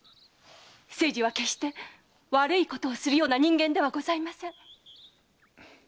清次は決して悪いことをするような人間ではありません。